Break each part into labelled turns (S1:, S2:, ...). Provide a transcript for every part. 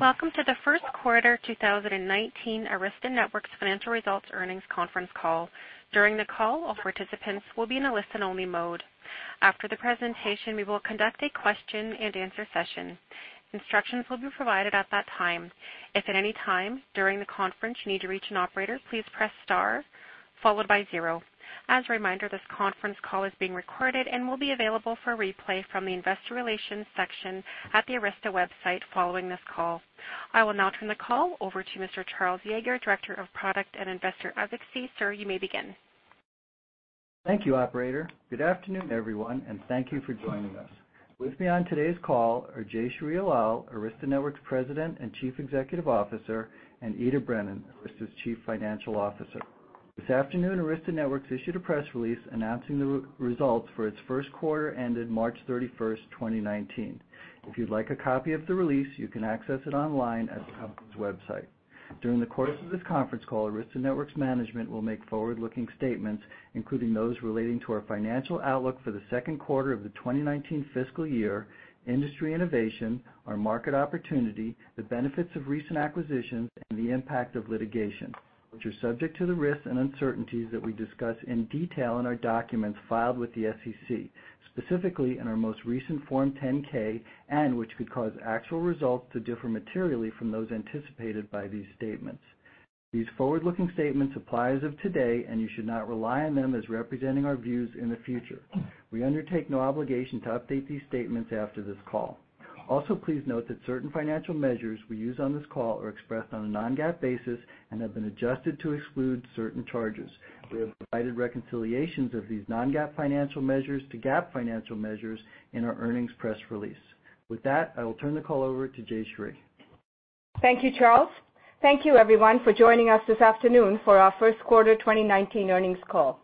S1: Welcome to the first quarter 2019 Arista Networks financial results earnings conference call. During the call, all participants will be in a listen-only mode. After the presentation, we will conduct a question and answer session. Instructions will be provided at that time. If at any time during the conference you need to reach an operator, please press star followed by zero. As a reminder, this conference call is being recorded and will be available for replay from the investor relations section at the Arista website following this call. I will now turn the call over to Mr. Charles Yager, Director of Product and Investor Advocacy. Sir, you may begin.
S2: Thank you, operator. Good afternoon, everyone, thank you for joining us. With me on today's call are Jayshree Ullal, Arista Networks President and Chief Executive Officer, and Ita Brennan, Arista's Chief Financial Officer. This afternoon, Arista Networks issued a press release announcing the results for its first quarter ended March 31st, 2019. If you'd like a copy of the release, you can access it online at the company's website. During the course of this conference call, Arista Networks management will make forward-looking statements, including those relating to our financial outlook for the second quarter of the 2019 fiscal year, industry innovation, our market opportunity, the benefits of recent acquisitions, and the impact of litigation, which are subject to the risks and uncertainties that we discuss in detail in our documents filed with the SEC, specifically in our most recent Form 10-K, which could cause actual results to differ materially from those anticipated by these statements. These forward-looking statements apply as of today, you should not rely on them as representing our views in the future. We undertake no obligation to update these statements after this call. Please note that certain financial measures we use on this call are expressed on a non-GAAP basis and have been adjusted to exclude certain charges. We have provided reconciliations of these non-GAAP financial measures to GAAP financial measures in our earnings press release. With that, I will turn the call over to Jayshree.
S3: Thank you, Charles. Thank you everyone for joining us this afternoon for our first quarter 2019 earnings call.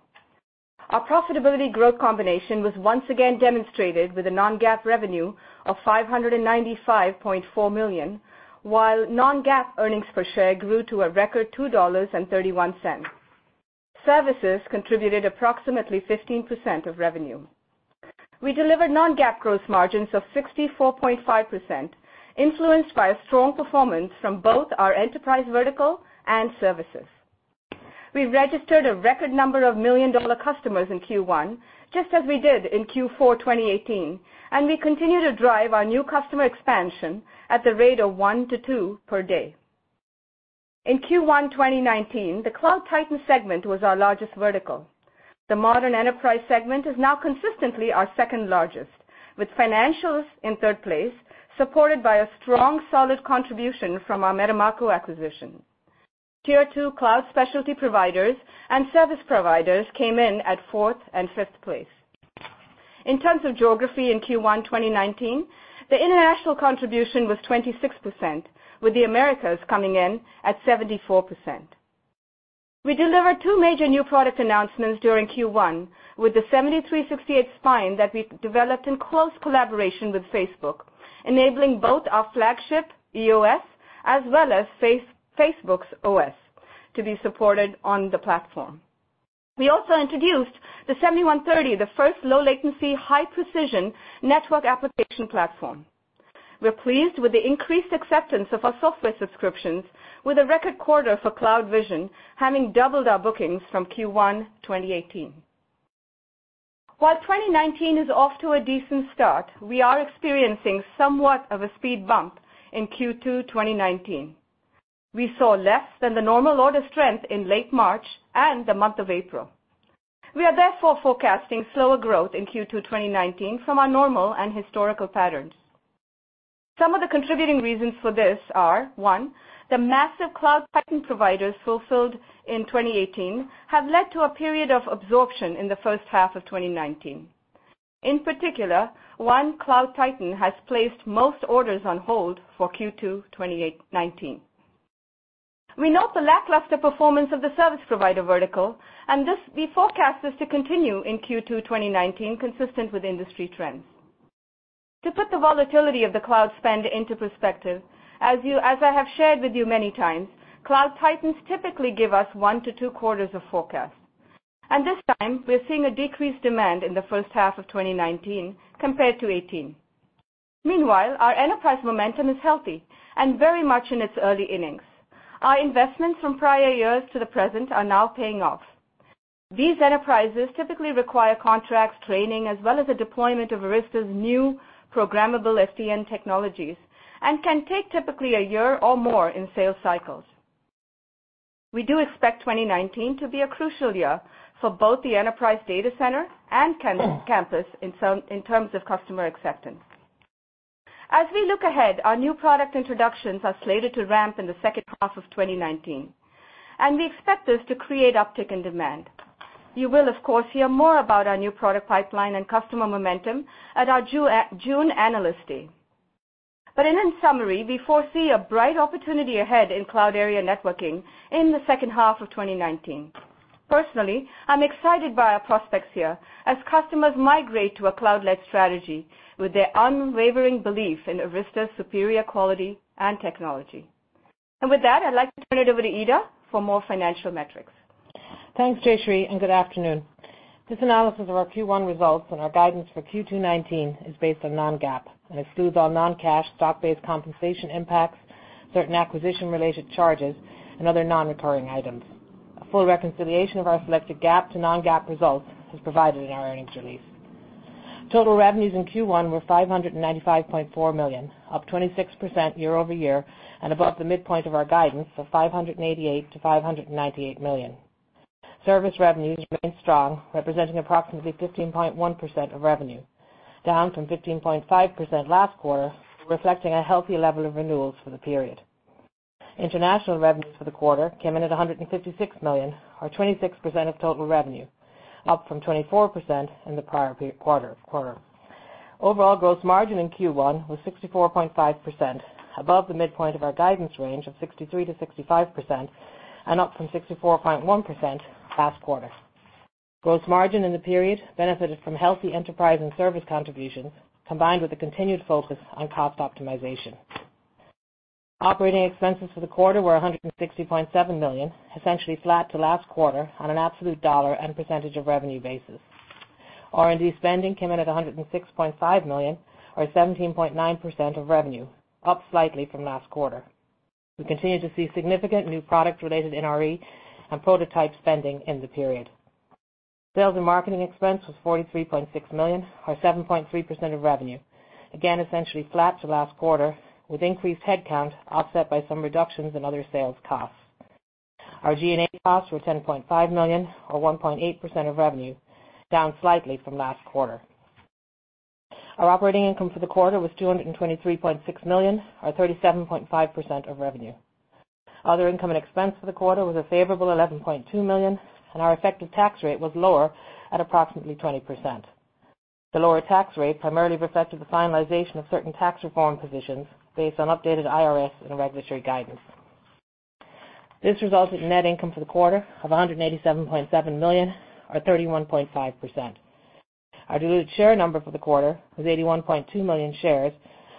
S3: Our profitability growth combination was once again demonstrated with a non-GAAP revenue of $595.4 million, while non-GAAP earnings per share grew to a record $2.31. Services contributed approximately 15% of revenue. We delivered non-GAAP gross margins of 64.5%, influenced by a strong performance from both our enterprise vertical and services. We registered a record number of million-dollar customers in Q1, just as we did in Q4 2018, and we continue to drive our new customer expansion at the rate of one to two per day. In Q1 2019, the Cloud Titan segment was our largest vertical. The modern enterprise segment is now consistently our second largest, with financials in third place, supported by a strong, solid contribution from our Metamako acquisition. Tier 2 cloud specialty providers and service providers came in at fourth and fifth place. In terms of geography in Q1 2019, the international contribution was 26%, with the Americas coming in at 74%. We delivered two major new product announcements during Q1 with the 7368X Series spine that we developed in close collaboration with Facebook, enabling both our flagship EOS as well as Facebook's OS to be supported on the platform. We also introduced the 7130 Series, the first low latency, high precision network application platform. We're pleased with the increased acceptance of our software subscriptions with a record quarter for CloudVision, having doubled our bookings from Q1 2018. While 2019 is off to a decent start. We are experiencing somewhat of a speed bump in Q2 2019. We saw less than the normal order strength in late March and the month of April. We are therefore forecasting slower growth in Q2 2019 from our normal and historical patterns. Some of the contributing reasons for this are, one, the massive cloud titan providers fulfilled in 2018 have led to a period of absorption in the first half of 2019. In particular, one cloud titan has placed most orders on hold for Q2 2019. We note the lackluster performance of the service provider vertical, and we forecast this to continue in Q2 2019, consistent with industry trends. To put the volatility of the cloud spend into perspective, as I have shared with you many times, cloud titans typically give us one to two quarters of forecast, and this time we're seeing a decreased demand in the first half of 2019 compared to 2018. Meanwhile, our enterprise momentum is healthy and very much in its early innings. Our investments from prior years to the present are now paying off. These enterprises typically require contracts, training, as well as the deployment of Arista's new programmable SDN technologies and can take typically a year or more in sales cycles. We do expect 2019 to be a crucial year for both the enterprise data center and campus in terms of customer acceptance. As we look ahead, our new product introductions are slated to ramp in the second half of 2019, and we expect this to create uptick in demand. You will, of course, hear more about our new product pipeline and customer momentum at our June Analyst Day. In summary, we foresee a bright opportunity ahead in cloud area networking in the second half of 2019. Personally, I'm excited by our prospects here as customers migrate to a cloud-led strategy with their unwavering belief in Arista's superior quality and technology. With that, I'd like to turn it over to Ita for more financial metrics
S4: Thanks, Jayshree, and good afternoon. This analysis of our Q1 results and our guidance for Q2 2019 is based on non-GAAP and excludes all non-cash stock-based compensation impacts, certain acquisition-related charges, and other non-recurring items. A full reconciliation of our selected GAAP to non-GAAP results is provided in our earnings release. Total revenues in Q1 were $595.4 million, up 26% year-over-year, and above the midpoint of our guidance of $588 million to $598 million. Service revenues remained strong, representing approximately 15.1% of revenue, down from 15.5% last quarter, reflecting a healthy level of renewals for the period. International revenues for the quarter came in at $156 million, or 26% of total revenue, up from 24% in the prior quarter. Overall gross margin in Q1 was 64.5%, above the midpoint of our guidance range of 63%-65%, and up from 64.1% last quarter. Gross margin in the period benefited from healthy enterprise and service contributions, combined with a continued focus on cost optimization. Operating expenses for the quarter were $160.7 million, essentially flat to last quarter on an absolute dollar and percentage of revenue basis. R&D spending came in at $106.5 million, or 17.9% of revenue, up slightly from last quarter. We continue to see significant new product-related NRE and prototype spending in the period. Sales and marketing expense was $43.6 million, or 7.3% of revenue, again, essentially flat to last quarter, with increased headcount offset by some reductions in other sales costs. Our G&A costs were $10.5 million, or 1.8% of revenue, down slightly from last quarter. Our operating income for the quarter was $223.6 million, or 37.5% of revenue. Other income and expense for the quarter was a favorable $11.2 million. Our effective tax rate was lower at approximately 20%. The lower tax rate primarily reflected the finalization of certain tax reform positions based on updated IRS and regulatory guidance. This resulted in net income for the quarter of $187.7 million, or 31.5%. Our diluted share number for the quarter was 81.2 million shares,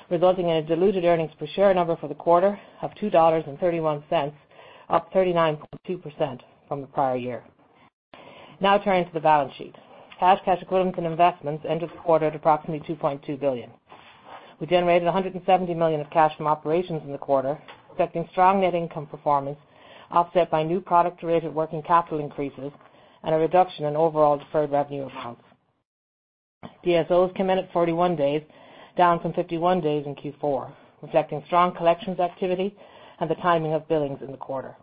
S4: resulting in a diluted earnings per share number for the quarter of $2.31, up 39.2% from the prior year. Turning to the balance sheet. Cash, cash equivalents, and investments ended the quarter at approximately $2.2 billion. We generated $170 million of cash from operations in the quarter, reflecting strong net income performance offset by new product-related working capital increases and a reduction in overall deferred revenue amounts. DSOs came in at 41 days, down from 51 days in Q4, reflecting strong collections activity and the timing of billings in the quarter.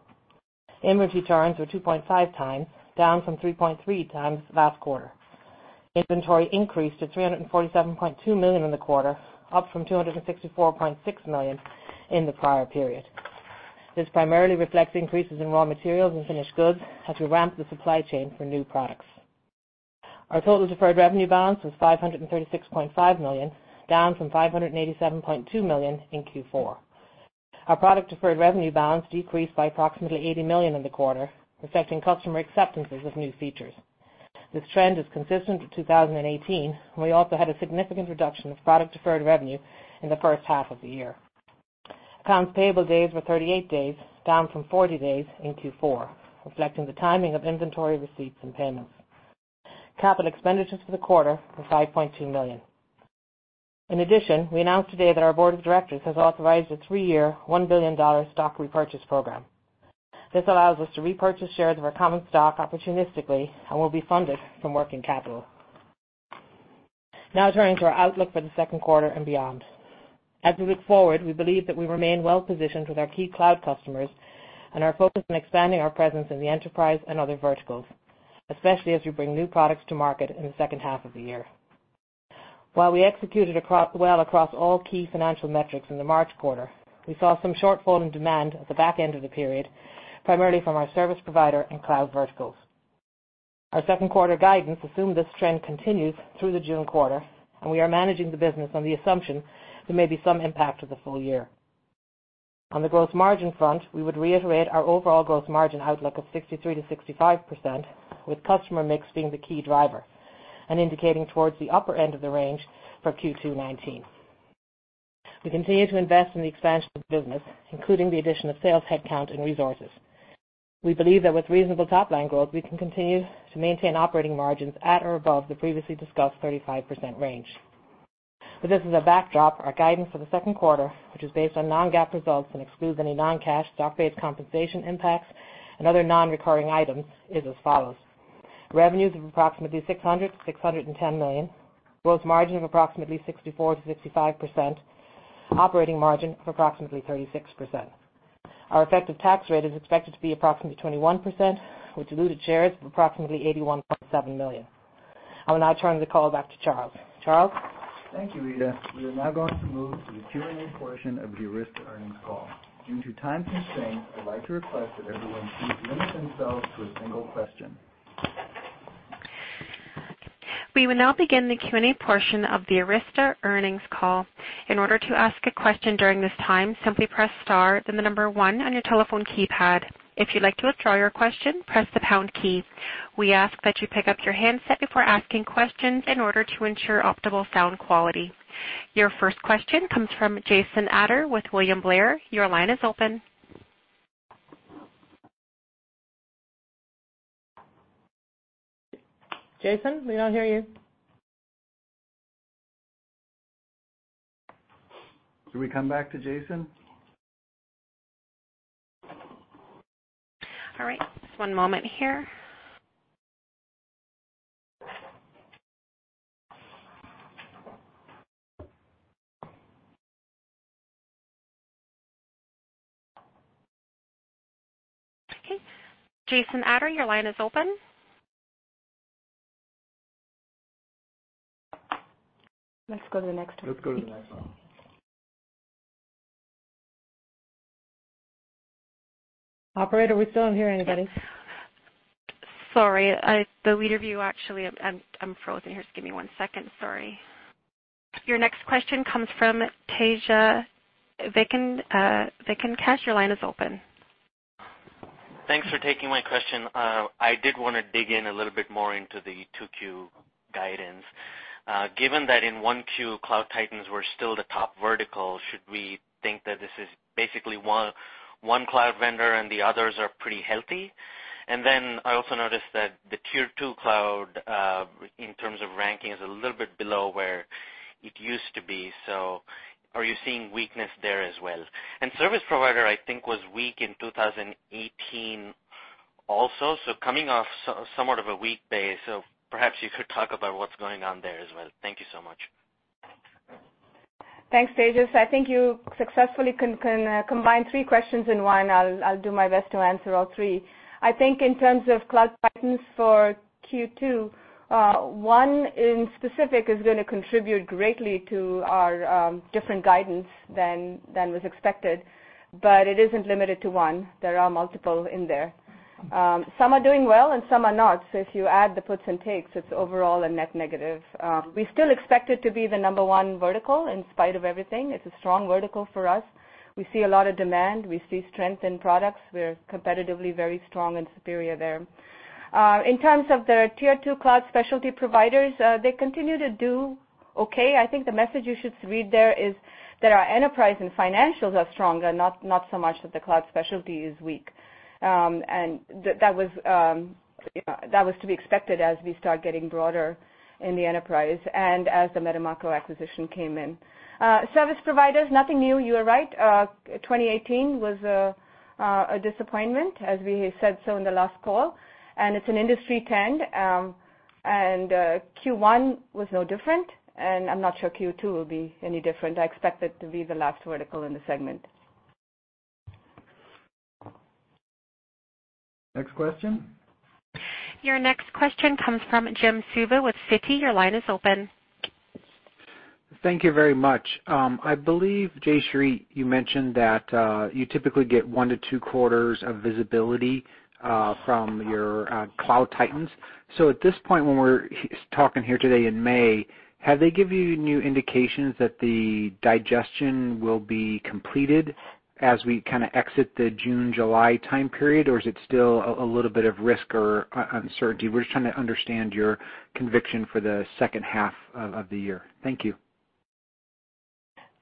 S4: Inventory turns were 2.5 times, down from 3.3 times last quarter. Inventory increased to $347.2 million in the quarter, up from $264.6 million in the prior period. This primarily reflects increases in raw materials and finished goods as we ramp the supply chain for new products. Our total deferred revenue balance was $536.5 million, down from $587.2 million in Q4. Our product deferred revenue balance decreased by approximately $80 million in the quarter, reflecting customer acceptances of new features. This trend is consistent with 2018, and we also had a significant reduction of product deferred revenue in the first half of the year. Accounts payable days were 38 days, down from 40 days in Q4, reflecting the timing of inventory receipts and payments. Capital expenditures for the quarter were $5.2 million. In addition, we announced today that our board of directors has authorized a three-year, $1 billion stock repurchase program. This allows us to repurchase shares of our common stock opportunistically and will be funded from working capital. Turning to our outlook for the second quarter and beyond. As we look forward, we believe that we remain well-positioned with our key cloud customers and are focused on expanding our presence in the enterprise and other verticals, especially as we bring new products to market in the second half of the year. While we executed well across all key financial metrics in the March quarter, we saw some shortfall in demand at the back end of the period, primarily from our service provider and cloud verticals. Our second quarter guidance assumed this trend continues through the June quarter, and we are managing the business on the assumption there may be some impact to the full year. On the gross margin front, we would reiterate our overall gross margin outlook of 63%-65%, with customer mix being the key driver and indicating towards the upper end of the range for Q2 2019. We continue to invest in the expansion of the business, including the addition of sales headcount and resources. We believe that with reasonable top-line growth, we can continue to maintain operating margins at or above the previously discussed 35% range. With this as a backdrop, our guidance for the second quarter, which is based on non-GAAP results and excludes any non-cash stock-based compensation impacts and other non-recurring items, is as follows. Revenues of approximately $600 million-$610 million, gross margin of approximately 64%-65%, operating margin of approximately 36%. Our effective tax rate is expected to be approximately 21%, with diluted shares of approximately 81.7 million. I will turn the call back to Charles. Charles?
S2: Thank you, Ita. We are now going to move to the Q&A portion of the Arista earnings call. Due to time constraints, I'd like to request that everyone please limit themselves to a single question.
S1: We will now begin the Q&A portion of the Arista earnings call. In order to ask a question during this time, simply press star then the number 1 on your telephone keypad. If you'd like to withdraw your question, press the pound key. We ask that you pick up your handset before asking questions in order to ensure optimal sound quality. Your first question comes from Jason Ader with William Blair. Your line is open.
S3: Jason, we don't hear you.
S2: Should we come back to Jason?
S1: All right. Just one moment here. Okay. Jason Ader, your line is open.
S3: Let's go to the next one.
S2: Let's go to the next one.
S3: Operator, we still don't hear anybody.
S1: Sorry. The lead of you actually, I'm frozen here. Just give me one second. Sorry. Your next question comes from Tejas Venkatesh. Your line is open.
S5: Thanks for taking my question. I did want to dig in a little bit more into the 2Q guidance. Given that in 1Q, cloud titans were still the top vertical, should we think that this is basically one cloud vendor and the others are pretty healthy? I also noticed that the tier 2 cloud, in terms of ranking, is a little bit below where it used to be. Are you seeing weakness there as well? Service provider, I think, was weak in 2018 also, coming off somewhat of a weak base. Perhaps you could talk about what's going on there as well. Thank you so much.
S3: Thanks, Tejas. I think you successfully combined three questions in one. I'll do my best to answer all three. I think in terms of cloud patterns for Q2, one in specific is going to contribute greatly to our different guidance than was expected, but it isn't limited to one. There are multiple in there. Some are doing well and some are not. If you add the puts and takes, it's overall a net negative. We still expect it to be the number one vertical in spite of everything. It's a strong vertical for us. We see a lot of demand. We see strength in products. We're competitively very strong and superior there. In terms of the tier 2 cloud specialty providers, they continue to do okay. I think the message you should read there is that our enterprise and financials are stronger, not so much that the cloud specialty is weak. That was to be expected as we start getting broader in the enterprise and as the Metamako acquisition came in. Service providers, nothing new. You are right. 2018 was a disappointment, as we said so in the last call, and it's an industry trend. 1Q was no different, and I'm not sure Q2 will be any different. I expect it to be the last vertical in the segment.
S2: Next question.
S1: Your next question comes from Jim Suva with Citi. Your line is open.
S6: Thank you very much. I believe, Jayshree, you mentioned that you typically get one to two quarters of visibility from your cloud titans. At this point, when we're talking here today in May, have they given you new indications that the digestion will be completed as we kind of exit the June, July time period, or is it still a little bit of risk or uncertainty? We're just trying to understand your conviction for the second half of the year. Thank you.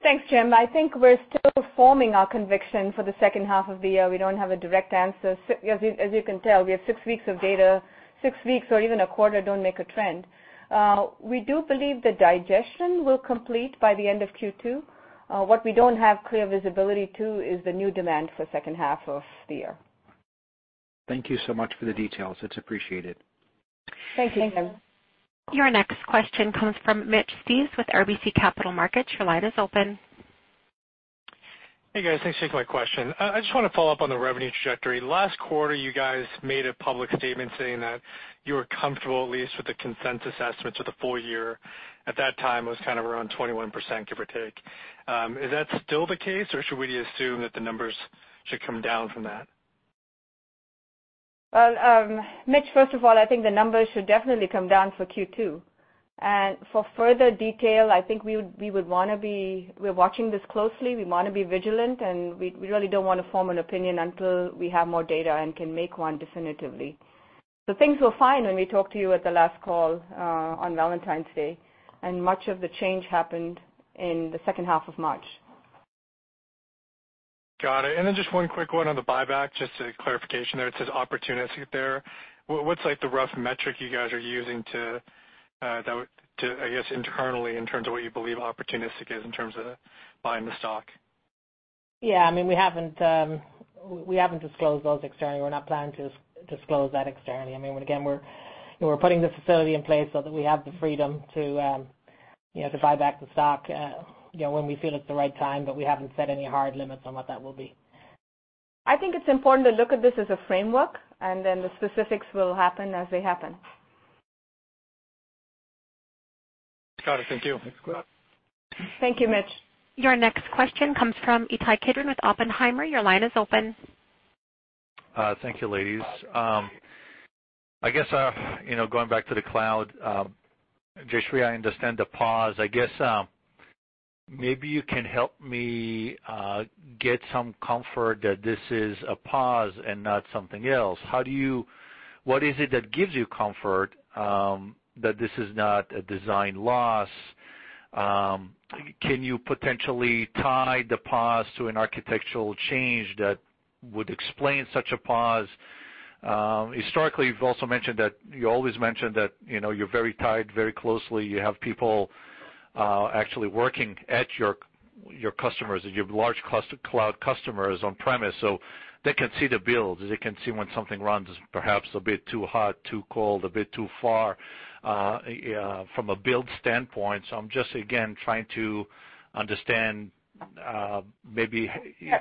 S3: Thanks, Jim. I think we're still forming our conviction for the second half of the year. We don't have a direct answer. As you can tell, we have six weeks of data. Six weeks or even a quarter don't make a trend. We do believe the digestion will complete by the end of Q2. What we don't have clear visibility to is the new demand for second half of the year.
S6: Thank you so much for the details. It's appreciated.
S3: Thank you, Jim.
S1: Your next question comes from Mitch Steves with RBC Capital Markets. Your line is open.
S7: Hey, guys. Thanks for taking my question. I just want to follow up on the revenue trajectory. Last quarter, you guys made a public statement saying that you were comfortable at least with the consensus estimates for the full year. At that time, it was kind of around 21%, give or take. Is that still the case or should we assume that the numbers should come down from that?
S3: Well, Mitch, first of all, I think the numbers should definitely come down for Q2. For further detail, I think we're watching this closely. We want to be vigilant, and we really don't want to form an opinion until we have more data and can make one definitively. Things were fine when we talked to you at the last call on Valentine's Day, much of the change happened in the second half of March.
S7: Got it. Just one quick one on the buyback, just a clarification there. It says opportunistic there. What's the rough metric you guys are using internally in terms of what you believe opportunistic is in terms of buying the stock?
S4: Yeah. We haven't disclosed those externally. We're not planning to disclose that externally. We're putting the facility in place so that we have the freedom to buy back the stock when we feel it's the right time, we haven't set any hard limits on what that will be.
S3: I think it's important to look at this as a framework, the specifics will happen as they happen.
S7: Got it. Thank you.
S2: Thanks.
S3: Thank you, Mitch.
S1: Your next question comes from Ittai Kidron with Oppenheimer. Your line is open.
S8: Thank you, ladies. I guess, going back to the cloud, Jayshree, I understand the pause. I guess maybe you can help me get some comfort that this is a pause and not something else. What is it that gives you comfort that this is not a design loss Can you potentially tie the pause to an architectural change that would explain such a pause? Historically, you've also mentioned that you always mention that you're very tied closely, you have people actually working at your customers, and you have large cloud customers on premise. They can see the builds. They can see when something runs perhaps a bit too hot, too cold, too far from a build standpoint. I'm just, again, trying to understand, maybe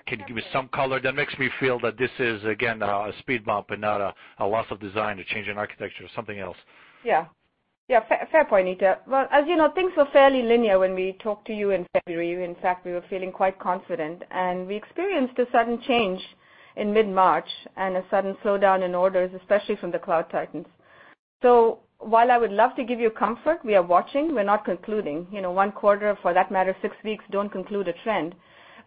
S8: can you give me some color that makes me feel that this is, again, a speed bump and not a loss of design, a change in architecture or something else?
S3: Yeah. Fair point, Ittai. Well, as you know, things were fairly linear when we talked to you in February. In fact, we were feeling quite confident. We experienced a sudden change in mid-March and a sudden slowdown in orders, especially from the cloud titans. While I would love to give you comfort, we are watching, we're not concluding. One quarter, for that matter, six weeks, don't conclude a trend.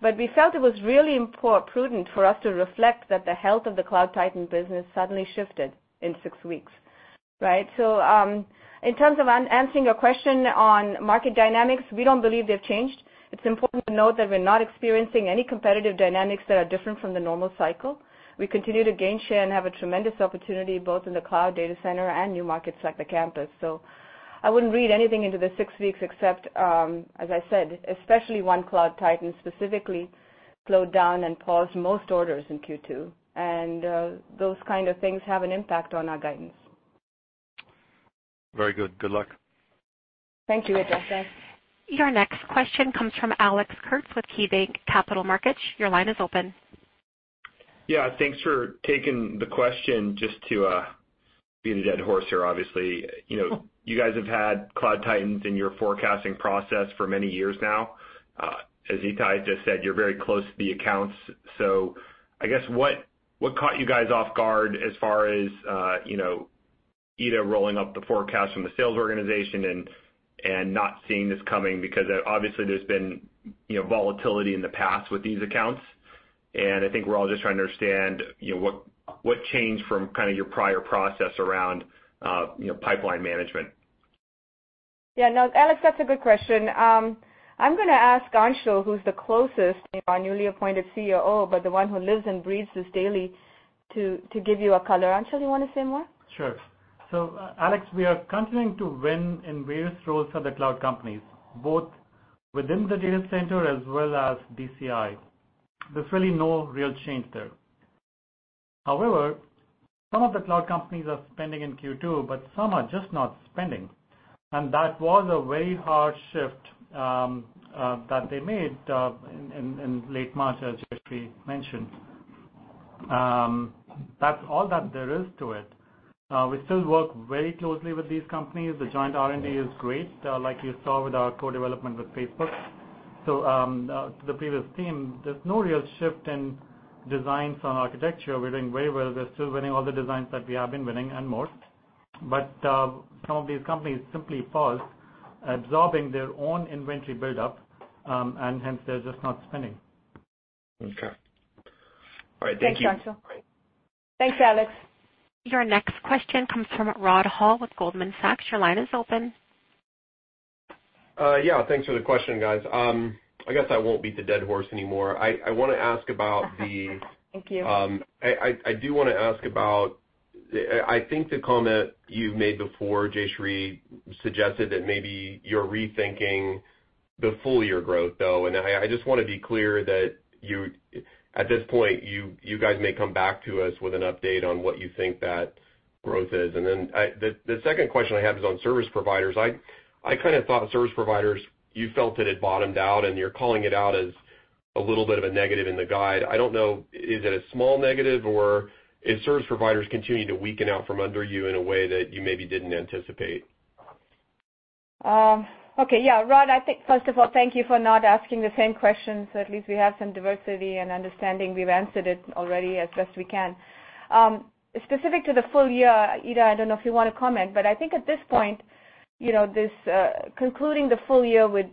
S3: We felt it was really prudent for us to reflect that the health of the cloud titan business suddenly shifted in six weeks. Right? In terms of answering your question on market dynamics, we don't believe they've changed. It's important to note that we're not experiencing any competitive dynamics that are different from the normal cycle. We continue to gain share and have a tremendous opportunity both in the cloud data center and new markets like the campus. I wouldn't read anything into the six weeks except, as I said, especially one cloud titan specifically slowed down and paused most orders in Q2, and those kind of things have an impact on our guidance.
S8: Very good. Good luck.
S3: Thank you, Ullal.
S1: Your next question comes from Alex Kurtz with KeyBanc Capital Markets. Your line is open.
S9: Yeah, thanks for taking the question. Just to beat a dead horse here, obviously. You guys have had cloud titans in your forecasting process for many years now. As Ita just said, you're very close to the accounts. I guess what caught you guys off guard as far as either rolling up the forecast from the sales organization and not seeing this coming, because obviously there's been volatility in the past with these accounts. I think we're all just trying to understand what changed from your prior process around pipeline management.
S3: Yeah. No, Alex, that's a good question. I'm going to ask Anshul, who's the closest, our newly appointed COO, but the one who lives and breathes this daily, to give you a color. Anshul, you want to say more?
S10: Sure. Alex, we are continuing to win in various roles for the cloud companies, both within the data center as well as DCI. There's really no real change there. However, some of the cloud companies are spending in Q2, but some are just not spending. That was a very hard shift that they made in late March, as Jayshree mentioned. That's all that there is to it. We still work very closely with these companies. The joint R&D is great, like you saw with our co-development with Facebook. To the previous theme, there's no real shift in designs on architecture. We're doing very well. We're still winning all the designs that we have been winning and more. But some of these companies simply paused absorbing their own inventory buildup, and hence they're just not spending.
S9: Okay. All right. Thank you.
S3: Thanks, Anshul. Thanks, Alex.
S1: Your next question comes from Rod Hall with Goldman Sachs. Your line is open.
S11: Yeah. Thanks for the question, guys. I guess I won't beat the dead horse anymore. I want to ask about the-
S3: Thank you.
S11: I do want to ask about, I think the comment you made before, Jayshree, suggested that maybe you're rethinking the full-year growth, though. I just want to be clear that at this point, you guys may come back to us with an update on what you think that growth is. The second question I have is on service providers. I kind of thought service providers, you felt that it bottomed out and you're calling it out as a little bit of a negative in the guide. I don't know, is it a small negative or is service providers continuing to weaken out from under you in a way that you maybe didn't anticipate?
S3: Okay. Yeah, Rod, I think first of all, thank you for not asking the same question, so at least we have some diversity and understanding we've answered it already as best we can. Specific to the full year, Ita, I don't know if you want to comment, but I think at this point, concluding the full year with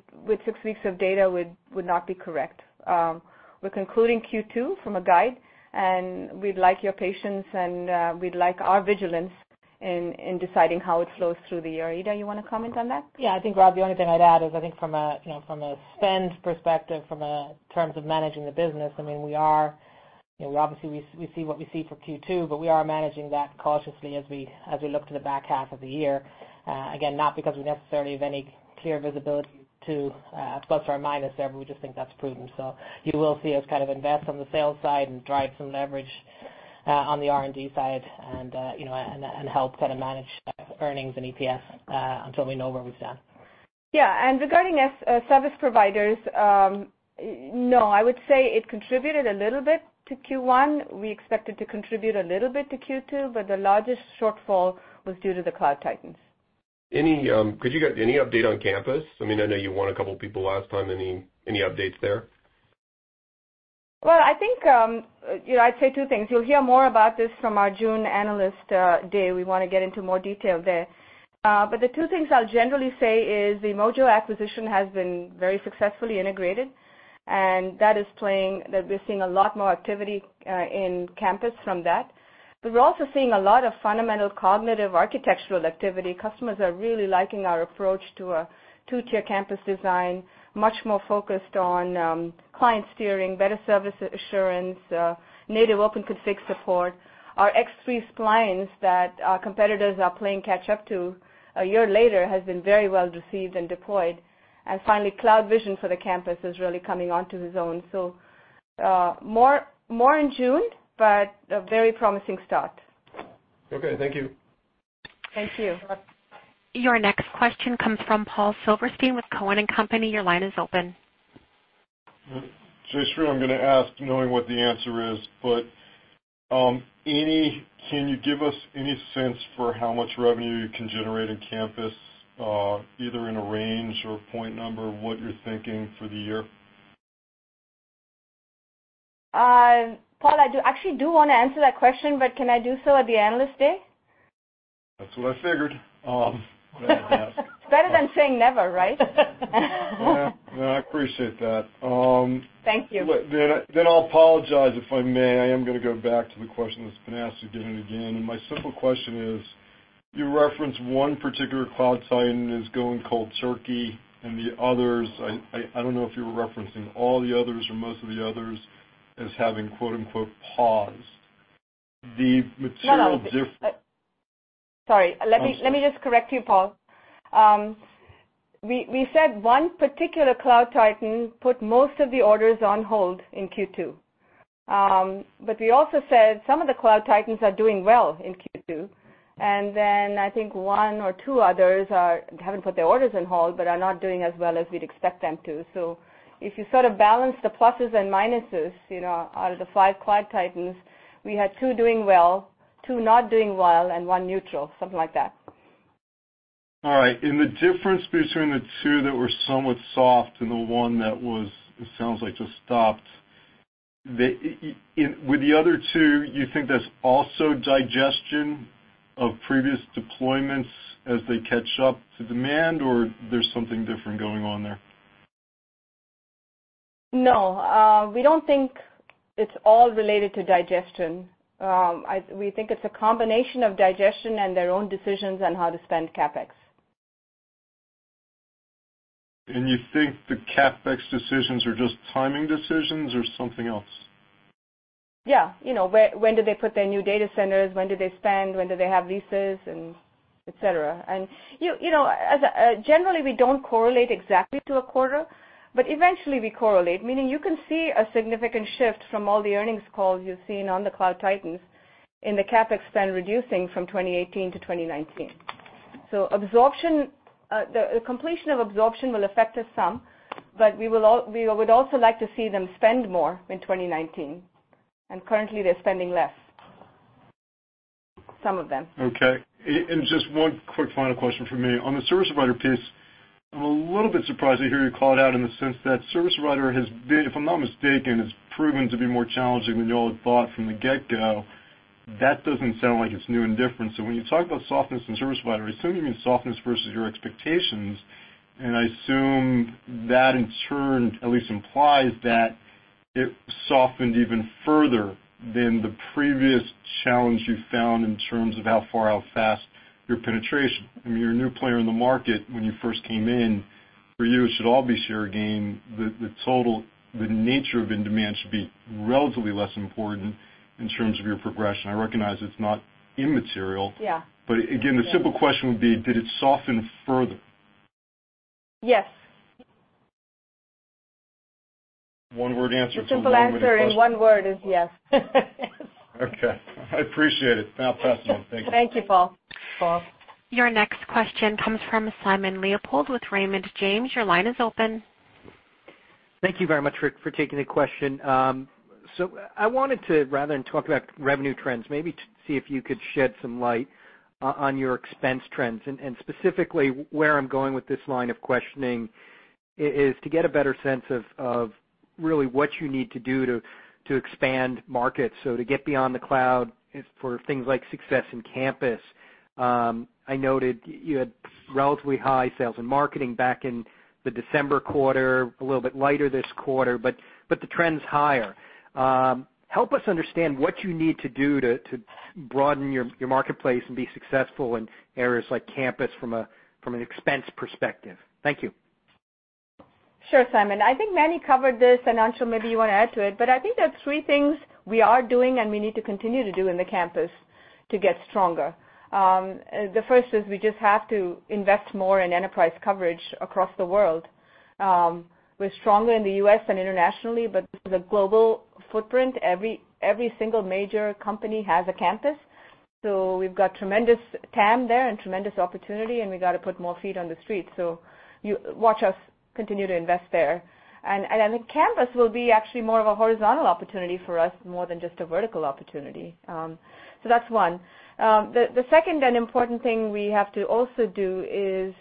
S3: six weeks of data would not be correct. We're concluding Q2 from a guide, and we'd like your patience and we'd like our vigilance in deciding how it flows through the year. Ita, you want to comment on that?
S4: Yeah, I think, Rod, the only thing I'd add is I think from a spend perspective, from a terms of managing the business, obviously we see what we see for Q2, but we are managing that cautiously as we look to the back half of the year. Again, not because we necessarily have any clear visibility to a plus or a minus there, but we just think that's prudent. You will see us invest on the sales side and drive some leverage on the R&D side and help manage earnings and EPS, until we know where we stand.
S3: Yeah. Regarding service providers, no, I would say it contributed a little bit to Q1. We expect it to contribute a little bit to Q2, but the largest shortfall was due to the cloud titans.
S11: Could you give any update on campus? I know you won a couple of people last time. Any updates there?
S3: Well, I think I'd say two things. You'll hear more about this from our June analyst day. We want to get into more detail there. The two things I'll generally say is the Mojo acquisition has been very successfully integrated. That is playing, that we're seeing a lot more activity in Campus from that. We're also seeing a lot of fundamental cognitive architectural activity. Customers are really liking our approach to a two-tier Campus design, much more focused on client steering, better service assurance, native OpenConfig support. Our X3 spines that our competitors are playing catch up to a year later has been very well received and deployed. Finally, CloudVision for the Campus is really coming onto the zone. More in June, but a very promising start.
S11: Okay, thank you.
S3: Thank you.
S1: Your next question comes from Paul Silverstein with Cowen and Company. Your line is open.
S12: Jayshree Ullal, I'm going to ask knowing what the answer is, but can you give us any sense for how much revenue you can generate in Campus, either in a range or point number, what you're thinking for the year?
S3: Paul, I actually do want to answer that question, but can I do so at the Analyst Day?
S12: That's what I figured.
S3: It's better than saying never, right?
S12: Yeah. No, I appreciate that.
S3: Thank you.
S12: I'll apologize, if I may. I am going to go back to the question that's been asked again and again. My simple question is, you referenced one particular Cloud Titan is going cold turkey, and the others, I don't know if you were referencing all the others or most of the others as having quote unquote, "pause.
S3: No, no. Sorry.
S12: I'm sorry.
S3: Let me just correct you, Paul. We said one particular Cloud Titan put most of the orders on hold in Q2. We also said some of the Cloud Titans are doing well in Q2, I think one or two others haven't put their orders on hold, but are not doing as well as we'd expect them to. If you sort of balance the pluses and minuses, out of the five Cloud Titans, we had two doing well, two not doing well, and one neutral, something like that.
S12: All right. The difference between the two that were somewhat soft and the one that was, it sounds like just stopped. With the other two, you think that's also digestion of previous deployments as they catch up to demand, or there's something different going on there?
S3: No, we don't think it's all related to digestion. We think it's a combination of digestion and their own decisions on how to spend CapEx.
S12: You think the CapEx decisions are just timing decisions or something else?
S3: Yeah. When do they put their new data centers, when do they spend, when do they have leases, et cetera. Generally, we don't correlate exactly to a quarter, but eventually we correlate. Meaning you can see a significant shift from all the earnings calls you've seen on the Cloud Titans in the CapEx spend reducing from 2018-2019. The completion of absorption will affect us some, but we would also like to see them spend more in 2019. Currently, they're spending less. Some of them.
S12: Okay. Just one quick final question from me. On the service provider piece, I'm a little bit surprised to hear you call it out in the sense that service provider has been, if I'm not mistaken, it's proven to be more challenging than you all had thought from the get-go. That doesn't sound like it's new and different. When you talk about softness in service provider, I assume you mean softness versus your expectations, and I assume that in turn at least implies that it softened even further than the previous challenge you found in terms of how far, how fast your penetration. I mean, you're a new player in the market when you first came in. For you, it should all be share gain. The nature of in-demand should be relatively less important in terms of your progression. I recognize it's not immaterial.
S3: Yeah.
S12: Again, the simple question would be, did it soften further?
S3: Yes.
S12: One-word answer to a long-winded question.
S3: The simple answer in one word is yes.
S12: Okay. I appreciate it. Now pass them. Thank you.
S3: Thank you, Paul.
S1: Your next question comes from Simon Leopold with Raymond James. Your line is open.
S13: Thank you very much for taking the question. I wanted to, rather than talk about revenue trends, maybe see if you could shed some light on your expense trends, and specifically where I'm going with this line of questioning is to get a better sense of really what you need to do to expand markets. To get beyond the cloud for things like success in Campus. I noted you had relatively high sales and marketing back in the December quarter, a little bit lighter this quarter, but the trend's higher. Help us understand what you need to do to broaden your marketplace and be successful in areas like Campus from an expense perspective. Thank you.
S3: Sure, Simon. I think Manny covered this, and Anshul, maybe you want to add to it. I think there are three things we are doing, and we need to continue to do in the Campus to get stronger. The first is we just have to invest more in enterprise coverage across the world. We're stronger in the U.S. and internationally, but this is a global footprint. Every single major company has a campus. We've got tremendous TAM there and tremendous opportunity, and we got to put more feet on the street. Watch us continue to invest there. I think Campus will be actually more of a horizontal opportunity for us more than just a vertical opportunity. That's one. The second and important thing we have to also do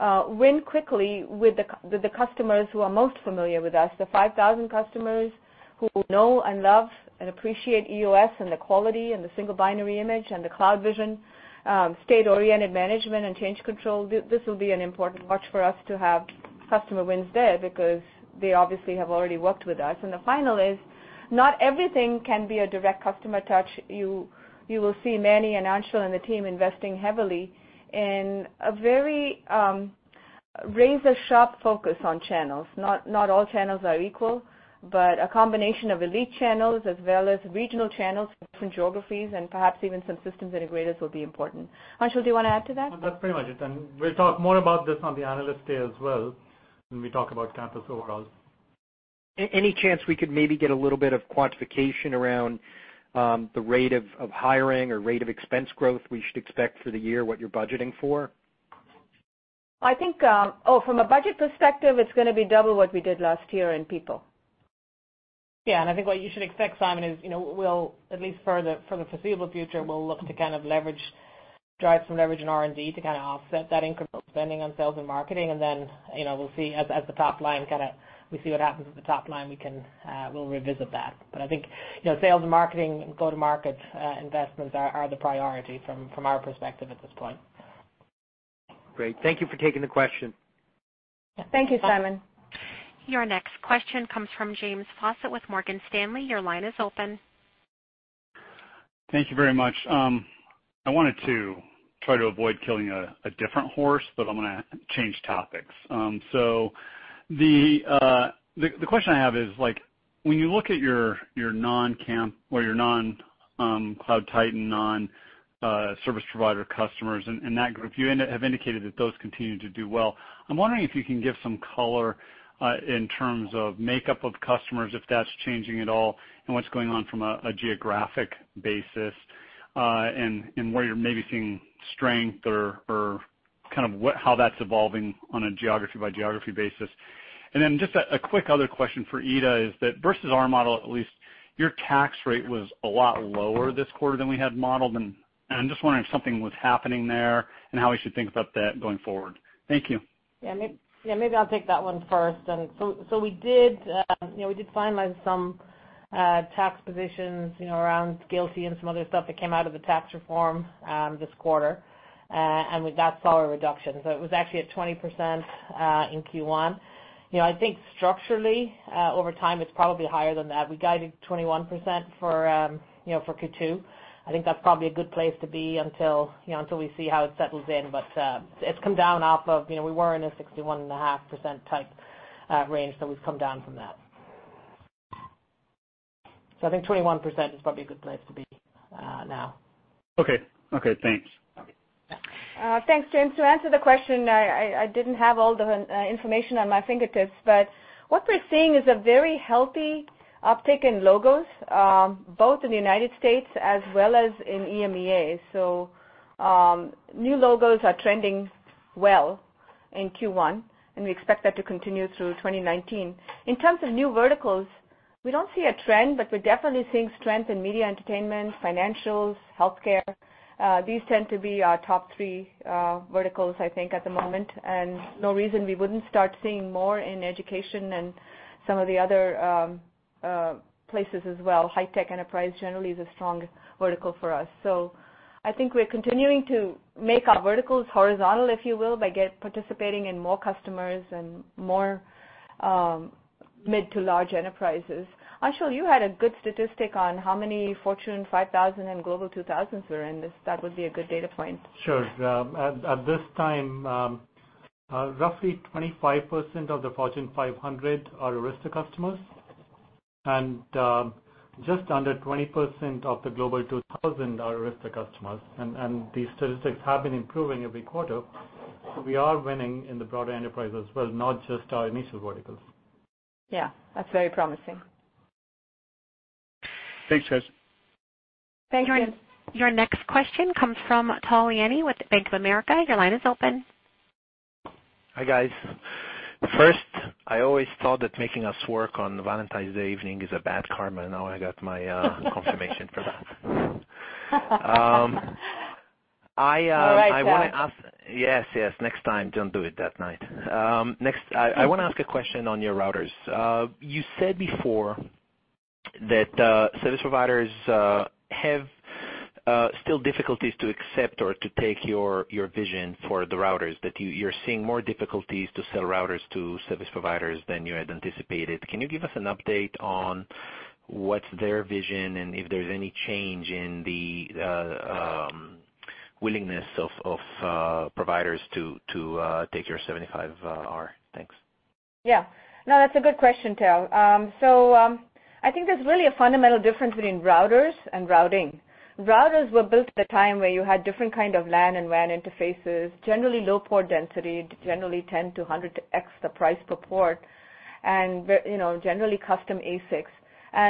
S3: isWin quickly with the customers who are most familiar with us, the 5,000 customers who know and love and appreciate EOS and the quality and the single binary image and the CloudVision, state-oriented management and change control. This will be an important watch for us to have customer wins there because they obviously have already worked with us. The final is, not everything can be a direct customer touch. You will see Manny and Anshul and the team investing heavily in a very razor-sharp focus on channels. Not all channels are equal, but a combination of elite channels as well as regional channels from different geographies and perhaps even some systems integrators will be important. Anshul, do you want to add to that?
S10: That's pretty much it. We'll talk more about this on the analyst day as well when we talk about campus overall.
S13: Any chance we could maybe get a little bit of quantification around the rate of hiring or rate of expense growth we should expect for the year, what you're budgeting for?
S3: From a budget perspective, it's going to be double what we did last year in people.
S4: Yeah, I think what you should expect, Simon, is we'll at least for the foreseeable future, we'll look to drive some leverage in R&D to offset that incremental spending on sales and marketing. We'll see what happens at the top line, we'll revisit that. I think, sales and marketing, go-to-market investments are the priority from our perspective at this point.
S13: Great. Thank you for taking the question.
S3: Thank you, Simon.
S1: Your next question comes from James Fawcett with Morgan Stanley. Your line is open.
S14: Thank you very much. I wanted to try to avoid killing a different horse. I'm going to change topics. The question I have is when you look at your non-camp or your non-CloudTitan, non-service provider customers and that group, you have indicated that those continue to do well. I'm wondering if you can give some color in terms of makeup of customers, if that's changing at all, and what's going on from a geographic basis, and where you're maybe seeing strength or kind of how that's evolving on a geography-by-geography basis. Just a quick other question for Ita is that versus our model at least, your tax rate was a lot lower this quarter than we had modeled, and I'm just wondering if something was happening there and how we should think about that going forward. Thank you.
S4: Yeah, maybe I'll take that one first. We did finalize some tax positions around GILTI and some other stuff that came out of the tax reform this quarter, with that saw a reduction. It was actually at 20% in Q1. I think structurally, over time, it's probably higher than that. We guided 21% for Q2. I think that's probably a good place to be until we see how it settles in. It's come down. We were in a 61.5% type range, we've come down from that. I think 21% is probably a good place to be now.
S14: Okay, thanks.
S4: Okay, yeah.
S3: Thanks, James. To answer the question, I didn't have all the information on my fingertips, but what we're seeing is a very healthy uptick in logos, both in the U.S. as well as in EMEA. New logos are trending well in Q1, and we expect that to continue through 2019. In terms of new verticals, we don't see a trend, but we're definitely seeing strength in media entertainment, financials, healthcare. These tend to be our top three verticals, I think, at the moment, and no reason we wouldn't start seeing more in education and some of the other places as well. High-tech enterprise generally is a strong vertical for us. I think we're continuing to make our verticals horizontal, if you will, by participating in more customers and more mid to large enterprises. Anshul, you had a good statistic on how many Fortune 5000 and Global 2000s we're in. That would be a good data point.
S10: Sure. At this time, roughly 25% of the Fortune 500 are Arista customers, and just under 20% of the Forbes Global 2000 are Arista customers, These statistics have been improving every quarter. We are winning in the broader enterprise as well, not just our initial verticals.
S3: Yeah, that's very promising.
S14: Thanks, guys.
S4: Thanks, James.
S1: Your next question comes from Tal Liani with Bank of America. Your line is open.
S15: Hi, guys. First, I always thought that making us work on Valentine's Day evening is a bad karma. Now I got my confirmation for that.
S3: All right, Tal.
S15: Yes, next time don't do it that night. I want to ask a question on your routers. You said before that service providers have still difficulties to accept or to take your vision for the routers, that you're seeing more difficulties to sell routers to service providers than you had anticipated. Can you give us an update on what's their vision and if there's any change in the willingness of providers to take your 75R? Thanks.
S3: That's a good question, Tal. I think there's really a fundamental difference between routers and routing. Routers were built at a time where you had different kind of LAN and WAN interfaces, generally low port density, generally 10 to 100 to x the price per port, and generally custom ASICs.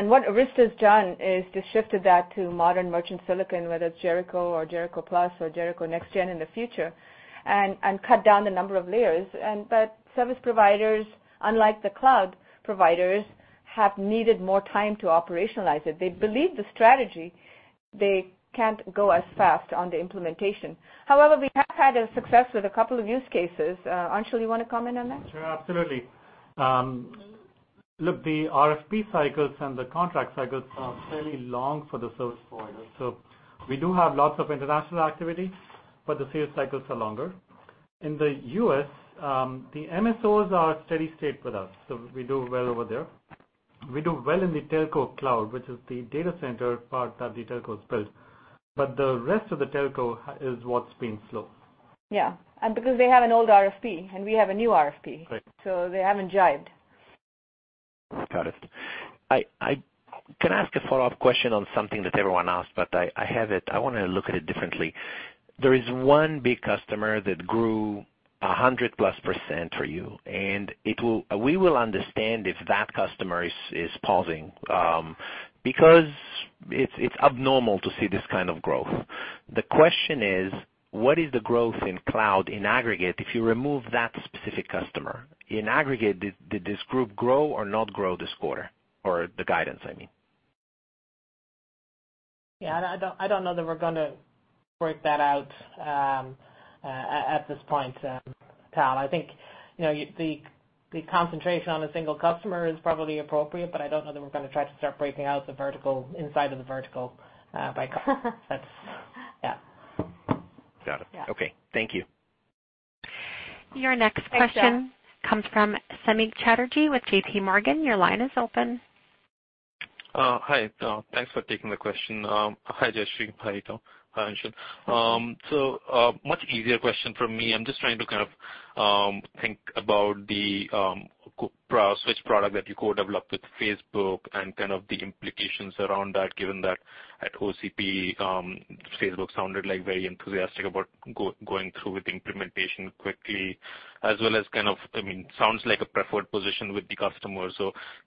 S3: What Arista's done is just shifted that to modern merchant silicon, whether it's Jericho or Jericho+ or Jericho Next Gen in the future, and cut down the number of layers. Service providers, unlike the cloud providers, have needed more time to operationalize it. They believe the strategy, they can't go as fast on the implementation. However, we have had success with a couple of use cases. Anshul, you want to comment on that?
S10: Sure, absolutely. Look, the RFP cycles and the contract cycles are fairly long for the service provider, we do have lots of international activity, the sales cycles are longer. In the U.S., the MSOs are steady state with us, we do well over there. We do well in the telco cloud, which is the data center part that the telcos build. The rest of the telco is what's been slow.
S3: Because they have an old RFP, we have a new RFP.
S10: Right.
S3: They haven't jived.
S15: Got it. Can I ask a follow-up question on something that everyone asked, but I want to look at it differently. There is one big customer that grew 100%+ for you, and we will understand if that customer is pausing, because it's abnormal to see this kind of growth. The question is: what is the growth in cloud in aggregate if you remove that specific customer? In aggregate, did this group grow or not grow this quarter? Or the guidance, I mean.
S4: I don't know that we're going to break that out at this point, Tal. I think the concentration on a single customer is probably appropriate, but I don't know that we're going to try to start breaking out the vertical inside of the vertical by customer.
S15: Got it.
S4: Yeah.
S15: Thank you.
S1: Your next question.
S4: Thanks, Tal.
S1: comes from Samik Chatterjee with JP Morgan. Your line is open.
S16: Hi. Thanks for taking the question. Hi, Jayshree. Hi, Ita. Hi, Anshul. Much easier question from me. I'm just trying to think about the switch product that you co-developed with Facebook and the implications around that, given that at OCP, Facebook sounded very enthusiastic about going through with the implementation quickly, as well as it sounds like a preferred position with the customer.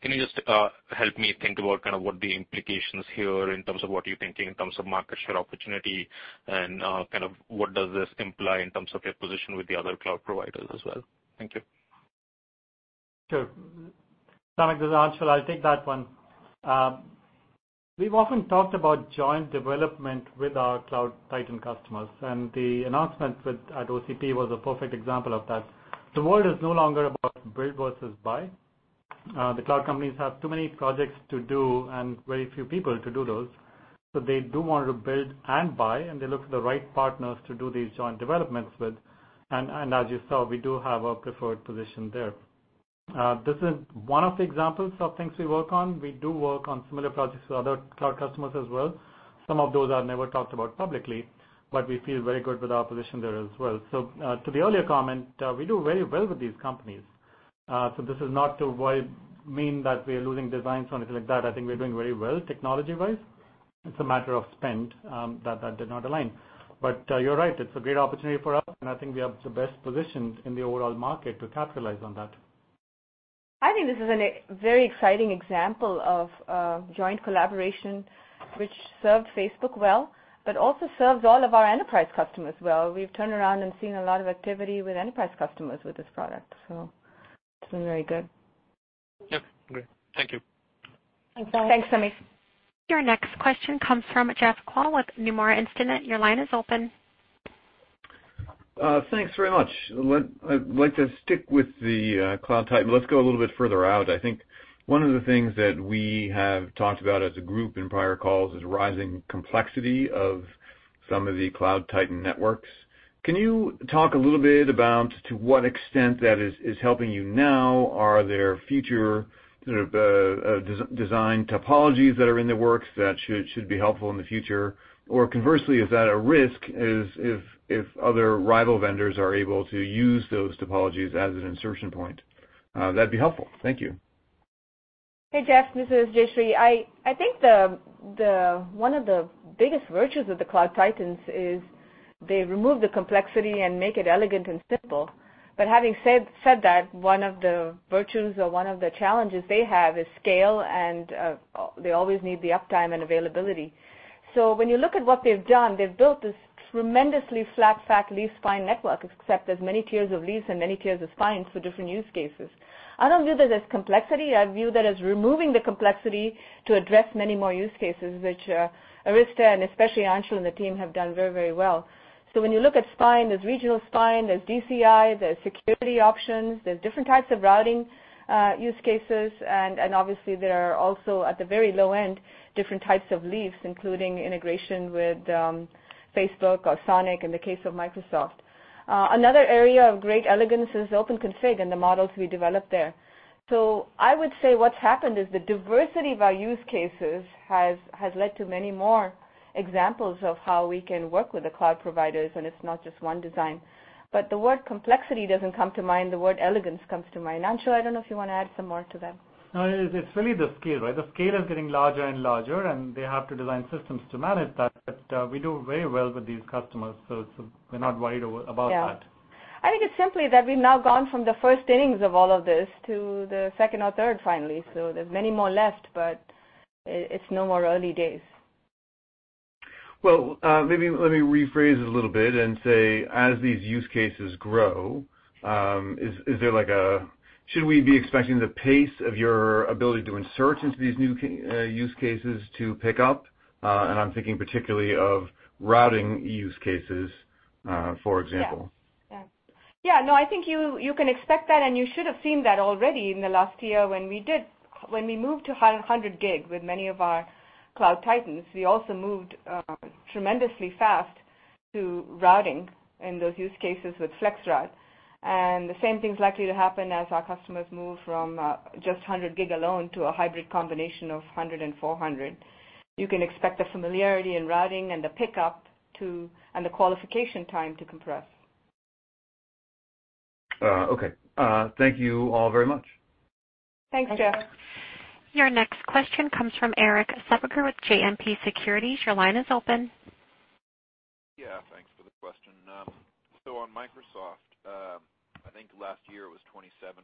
S16: Can you just help me think about what the implications here in terms of what you're thinking in terms of market share opportunity and what does this imply in terms of your position with the other cloud providers as well? Thank you.
S10: Sure. Samik, this is Anshul. I'll take that one. We've often talked about joint development with our Cloud Titan customers, the announcement at OCP was a perfect example of that. The world is no longer about build versus buy. The cloud companies have too many projects to do and very few people to do those, they do want to build and buy, and they look for the right partners to do these joint developments with. As you saw, we do have a preferred position there. This is one of the examples of things we work on. We do work on similar projects with other cloud customers as well. Some of those are never talked about publicly, but we feel very good with our position there as well. To the earlier comment, we do very well with these companies. This is not to mean that we are losing designs or anything like that. I think we're doing very well technology-wise. It's a matter of spend that did not align. You're right, it's a great opportunity for us, and I think we are the best positioned in the overall market to capitalize on that.
S3: I think this is a very exciting example of a joint collaboration which served Facebook well, but also serves all of our enterprise customers well. We've turned around and seen a lot of activity with enterprise customers with this product, so it's been very good.
S16: Okay, great. Thank you.
S4: Thanks, Samik.
S1: Your next question comes from Jeff Kvaal with Nomura Instinet. Your line is open.
S17: Thanks very much. I'd like to stick with the Cloud Titan, let's go a little bit further out. I think one of the things that we have talked about as a group in prior calls is rising complexity of some of the Cloud Titan networks. Can you talk a little bit about to what extent that is helping you now? Are there future design topologies that are in the works that should be helpful in the future? Or conversely, is that a risk if other rival vendors are able to use those topologies as an insertion point? That'd be helpful. Thank you.
S3: Hey, Jeff. This is Jayshree. I think one of the biggest virtues of the Cloud Titans is they remove the complexity and make it elegant and simple. Having said that, one of the virtues or one of the challenges they have is scale and they always need the uptime and availability. When you look at what they've done, they've built this tremendously flat fat leaf spine network, except there's many tiers of leaves and many tiers of spines for different use cases. I don't view that as complexity. I view that as removing the complexity to address many more use cases, which Arista and especially Anshul and the team have done very well. When you look at spine, there's regional spine, there's DCI, there's security options, there's different types of routing use cases, and obviously there are also, at the very low end, different types of leaves, including integration with Facebook or SONiC in the case of Microsoft. Another area of great elegance is OpenConfig and the models we developed there. I would say what's happened is the diversity of our use cases has led to many more examples of how we can work with the cloud providers, and it's not just one design. The word complexity doesn't come to mind. The word elegance comes to mind. Anshul, I don't know if you want to add some more to that.
S10: It's really the scale, right? The scale is getting larger and larger, and they have to design systems to manage that, but we do very well with these customers, so we're not worried about that.
S3: I think it's simply that we've now gone from the first innings of all of this to the second or third, finally. There's many more left, but it's no more early days.
S17: Maybe let me rephrase it a little bit and say, as these use cases grow, should we be expecting the pace of your ability to insert into these new use cases to pick up? I'm thinking particularly of routing use cases, for example.
S3: No, I think you can expect that, you should have seen that already in the last year when we moved to 100G with many of our cloud titans. We also moved tremendously fast to routing in those use cases with FlexRoute. The same thing's likely to happen as our customers move from just 100G alone to a hybrid combination of 100 and 400. You can expect the familiarity in routing and the pickup too, and the qualification time to compress.
S17: Okay. Thank you all very much.
S3: Thanks, Jeff.
S1: Your next question comes from Erik Suppiger with JMP Securities. Your line is open.
S18: Thanks for the question. On Microsoft, I think last year it was 27%,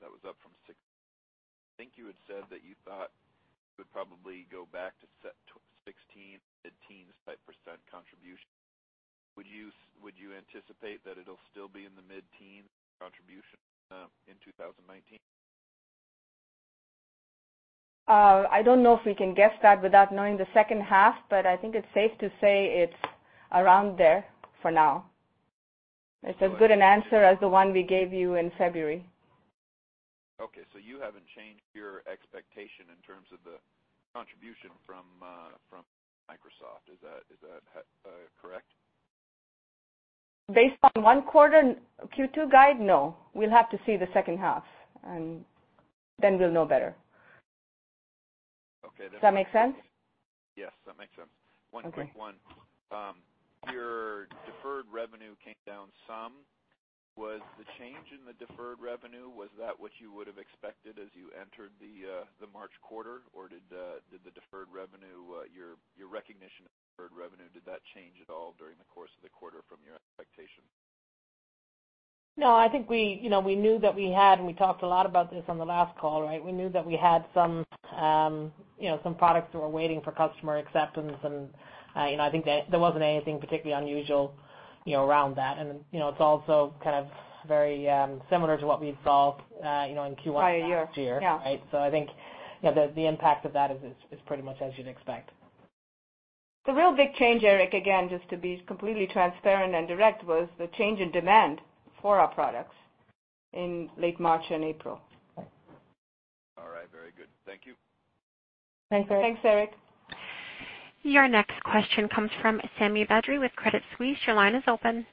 S18: that was up from six. I think you had said that you thought it would probably go back to 16, mid-teens type % contribution. Would you anticipate that it'll still be in the mid-teens contribution in 2019?
S3: I don't know if we can guess that without knowing the second half. I think it's safe to say it's around there for now. It's as good an answer as the one we gave you in February.
S18: You haven't changed your expectation in terms of the contribution from Microsoft. Is that correct?
S3: Based on one quarter, Q2 guide, no. We'll have to see the second half. We'll know better.
S18: Okay.
S3: Does that make sense?
S18: Yes, that makes sense.
S3: Okay.
S18: One quick one. Your deferred revenue came down some. Was the change in the deferred revenue, was that what you would have expected as you entered the March quarter, or did the deferred revenue, your recognition of deferred revenue, did that change at all during the course of the quarter from your expectation?
S4: No, I think we knew that we had, and we talked a lot about this on the last call, right? We knew that we had some products that were waiting for customer acceptance, and I think that there wasn't anything particularly unusual around that. It's also kind of very similar to what we saw in Q1-
S3: Prior year
S4: last year.
S3: Yeah.
S4: Right. I think the impact of that is pretty much as you'd expect.
S3: The real big change, Erik, again, just to be completely transparent and direct, was the change in demand for our products in late March and April.
S18: All right, very good. Thank you.
S3: Thanks, Erik.
S4: Thanks, Erik.
S1: Your next question comes from Sami Badri with Credit Suisse. Your line is open.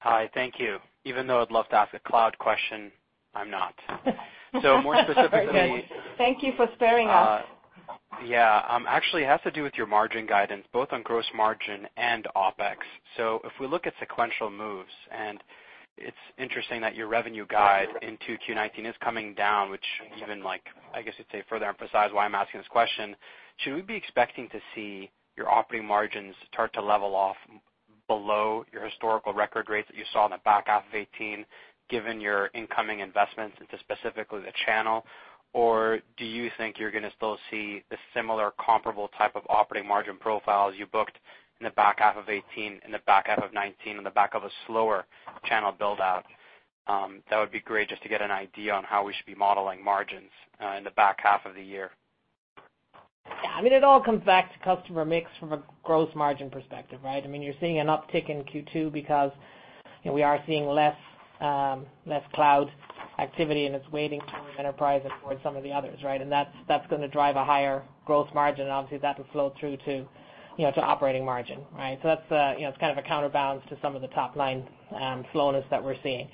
S19: Hi, thank you. Even though I'd love to ask a cloud question, I'm not.
S3: Very good. Thank you for sparing us.
S19: Yeah. Actually, it has to do with your margin guidance, both on gross margin and OpEx. If we look at sequential moves, and it's interesting that your revenue guide in 2Q 2019 is coming down, which even, I guess you'd say, further emphasizes why I'm asking this question. Should we be expecting to see your operating margins start to level off below your historical record rates that you saw in the back half of 2018, given your incoming investments into specifically the channel? Do you think you're going to still see the similar comparable type of operating margin profile as you booked in the back half of 2018 and the back half of 2019 on the back of a slower channel build-out? That would be great just to get an idea on how we should be modeling margins in the back half of the year.
S4: Yeah, it all comes back to customer mix from a gross margin perspective, right? You're seeing an uptick in Q2 because we are seeing less cloud activity, and it's weighting towards enterprise and towards some of the others, right? That's going to drive a higher gross margin. Obviously, that will flow through to operating margin, right? That's a counterbalance to some of the top-line slowness that we're seeing.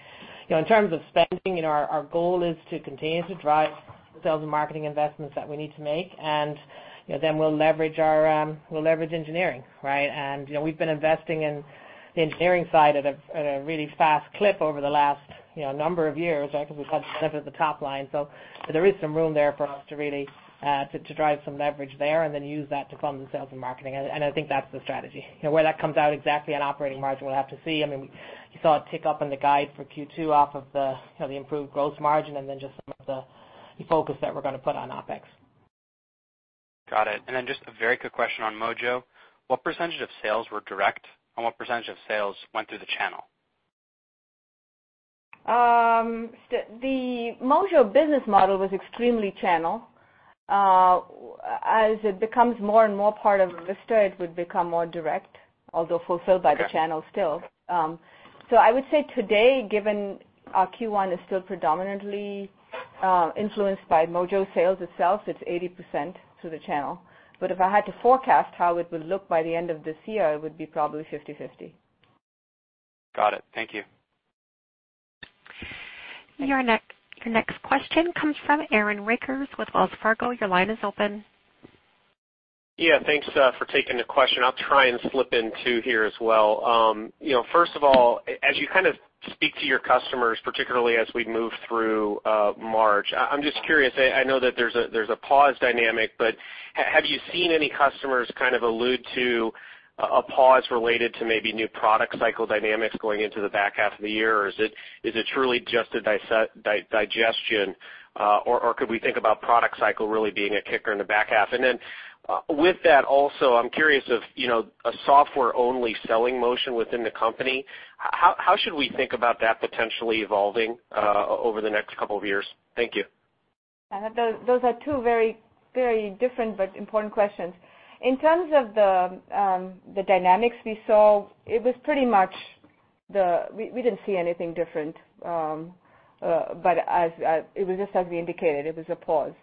S4: In terms of spending, our goal is to continue to drive the sales and marketing investments that we need to make, and then we'll leverage engineering, right? We've been investing in the engineering side at a really fast clip over the last number of years, right? Because we've had to deliver the top line. There is some room there for us to really drive some leverage there and then use that to fund the sales and marketing. I think that's the strategy. Where that comes out exactly on operating margin, we'll have to see. You saw a tick up in the guide for Q2 off of the improved gross margin and then just some of the focus that we're going to put on OpEx.
S19: Got it. Then just a very quick question on Mojo. What % of sales were direct, and what % of sales went through the channel?
S3: The Mojo business model was extremely channel. As it becomes more and more part of Arista, it would become more direct, although fulfilled by the channel still. I would say today, given our Q1 is still predominantly influenced by Mojo sales itself, it's 80% through the channel. If I had to forecast how it would look by the end of this year, it would be probably 50/50.
S19: Got it. Thank you.
S1: Your next question comes from Aaron Rakers with Wells Fargo. Your line is open.
S20: Yeah, thanks for taking the question. I'll try and slip in two here as well. First of all, as you kind of speak to your customers, particularly as we move through March, I'm just curious. I know that there's a pause dynamic, but have you seen any customers kind of allude to a pause related to maybe new product cycle dynamics going into the back half of the year, or is it truly just a digestion, or could we think about product cycle really being a kicker in the back half? And with that also, I'm curious if a software-only selling motion within the company, how should we think about that potentially evolving over the next couple of years? Thank you.
S3: Those are two very different but important questions. In terms of the dynamics we saw, we didn't see anything different. It was just as we indicated, it was a pause.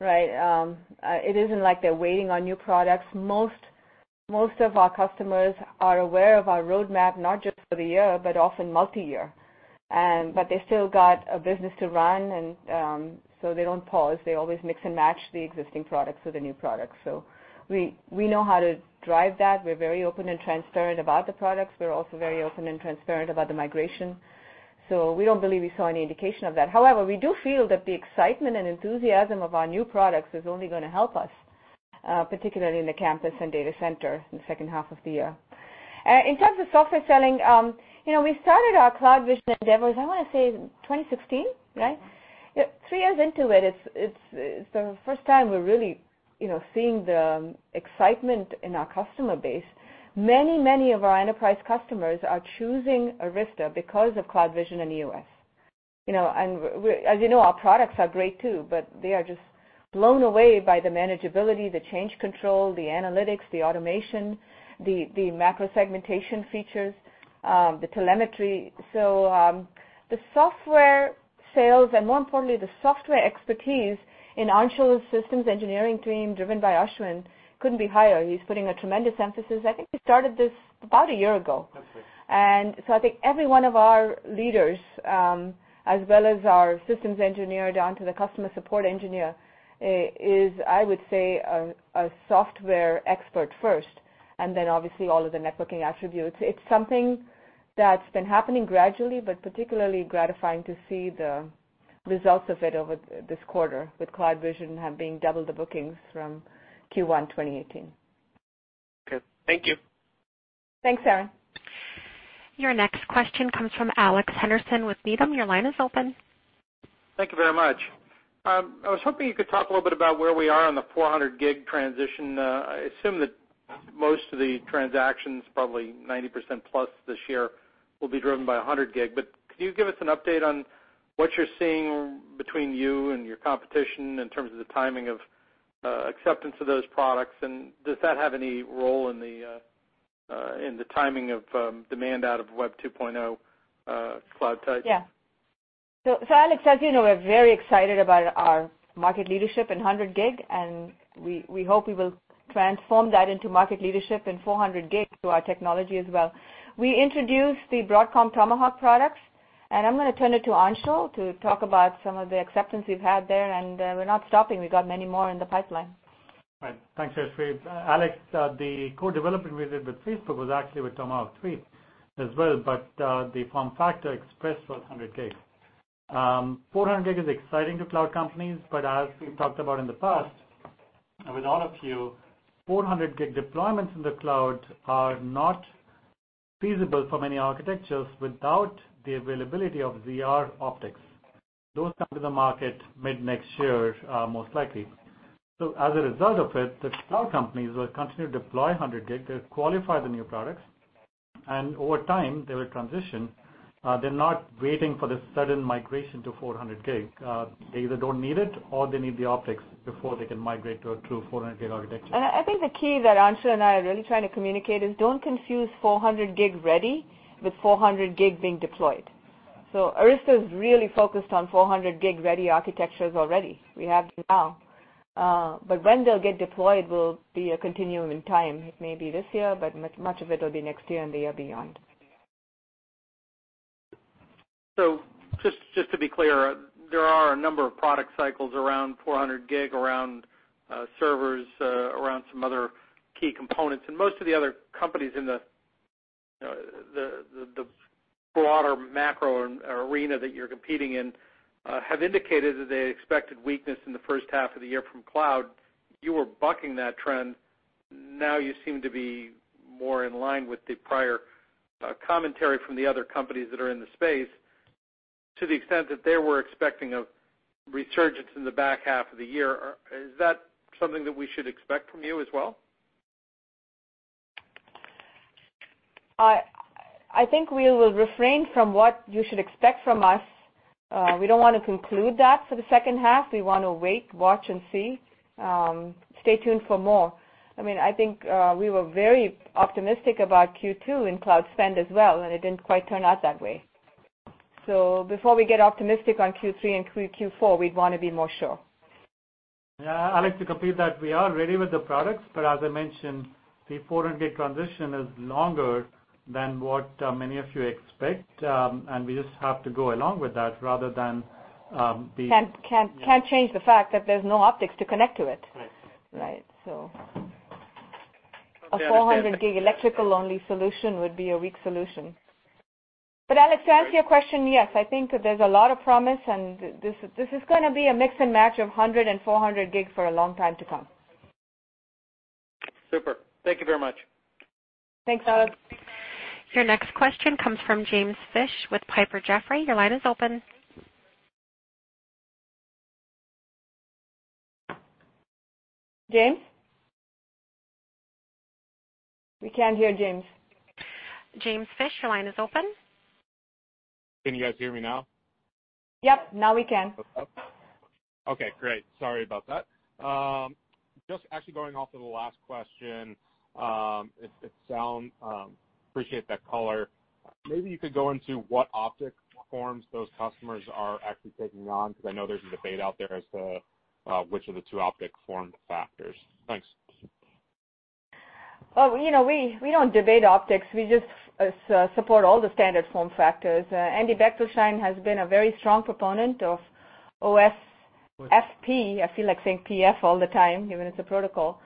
S3: It isn't like they're waiting on new products. Most of our customers are aware of our roadmap, not just for the year, but often multi-year. They still got a business to run, and so they don't pause. They always mix and match the existing products with the new products. We know how to drive that. We're very open and transparent about the products. We're also very open and transparent about the migration. We don't believe we saw any indication of that. However, we do feel that the excitement and enthusiasm of our new products is only going to help us, particularly in the campus and data center in the second half of the year. In terms of software selling, we started our CloudVision endeavors, I want to say 2016, right? Three years into it's the first time we're really seeing the excitement in our customer base. Many of our enterprise customers are choosing Arista because of CloudVision and EOS. As you know, our products are great too, but they are just blown away by the manageability, the change control, the analytics, the automation, the macro segmentation features, the telemetry. The software sales and more importantly, the software expertise in Anshul's systems engineering team, driven by Ashwin, couldn't be higher. He's putting a tremendous emphasis. I think we started this about a year ago.
S20: That's right.
S3: I think every one of our leaders, as well as our systems engineer down to the customer support engineer, is, I would say, a software expert first, and then obviously all of the networking attributes. It's something that's been happening gradually, but particularly gratifying to see the results of it over this quarter, with CloudVision having doubled the bookings from Q1 2018.
S20: Okay. Thank you.
S3: Thanks, Aaron.
S1: Your next question comes from Alex Henderson with Needham. Your line is open.
S21: Thank you very much. I was hoping you could talk a little bit about where we are on the 400G transition. I assume that most of the transactions, probably 90% plus this year, will be driven by 100G. Could you give us an update on what you're seeing between you and your competition in terms of the timing of acceptance of those products, and does that have any role in the timing of demand out of Web 2.0 cloud type?
S3: Yeah. Alex, as you know, we're very excited about our market leadership in 100G. We hope we will transform that into market leadership in 400G through our technology as well. We introduced the Broadcom Tomahawk products. I'm going to turn it to Anshul to talk about some of the acceptance we've had there. We're not stopping. We got many more in the pipeline.
S10: Right. Thanks, Jayshree. Alex, the co-development we did with Facebook was actually with Tomahawk 3 as well, but the form factor expressed was 100G. 400G is exciting to cloud companies, but as we've talked about in the past with all of you, 400G deployments in the cloud are not feasible for many architectures without the availability of ZR optics. Those come to the market mid-next year, most likely. As a result of it, the cloud companies will continue to deploy 100G. They'll qualify the new products, and over time, they will transition. They're not waiting for this sudden migration to 400G. They either don't need it or they need the optics before they can migrate to a true 400G architecture.
S3: I think the key that Anshul and I are really trying to communicate is don't confuse 400G ready with 400G being deployed. Arista's really focused on 400G-ready architectures already. We have them now. When they'll get deployed will be a continuum in time. It may be this year, but much of it'll be next year and the year beyond.
S21: Just to be clear, there are a number of product cycles around 400G, around servers, around some other key components. Most of the other companies in the broader macro arena that you're competing in have indicated that they expected weakness in the first half of the year from cloud. You were bucking that trend. Now you seem to be more in line with the prior commentary from the other companies that are in the space to the extent that they were expecting a resurgence in the back half of the year. Is that something that we should expect from you as well?
S3: I think we will refrain from what you should expect from us. We don't want to conclude that for the second half. We want to wait, watch, and see. Stay tuned for more. I think we were very optimistic about Q2 in cloud spend as well, and it didn't quite turn out that way. Before we get optimistic on Q3 and Q4, we'd want to be more sure.
S10: Alex, to complete that, we are ready with the products, but as I mentioned, the 400G transition is longer than what many of you expect, and we just have to go along with that rather than.
S3: Can't change the fact that there's no optics to connect to it.
S10: Right.
S3: Right. A 400G electrical-only solution would be a weak solution. Alex, to answer your question, yes, I think that there's a lot of promise, and this is going to be a mix and match of 100G and 400G for a long time to come.
S21: Super. Thank you very much.
S3: Thanks, Alex.
S1: Your next question comes from James Fish with Piper Jaffray. Your line is open.
S3: James? We can't hear James.
S1: James Fish, your line is open.
S22: Can you guys hear me now?
S3: Yep, now we can.
S22: Okay, great. Sorry about that. Just actually going off of the last question, appreciate that color. Maybe you could go into what optic forms those customers are actually taking on, because I know there's a debate out there as to which of the two optic form factors. Thanks.
S3: Well, we don't debate optics. We just support all the standard form factors. Andy Bechtolsheim has been a very strong proponent of OSFP. I feel like saying PF all the time, even it's a protocol.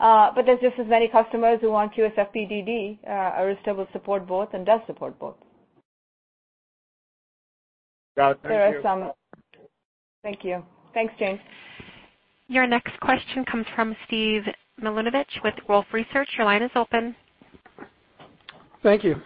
S3: There's just as many customers who want QSFP-DD. Arista will support both and does support both.
S22: Got it. Thank you.
S3: Thank you. Thanks, James.
S1: Your next question comes from Steve Milunovich with Wolfe Research. Your line is open.
S23: Thank you.